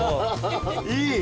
いい。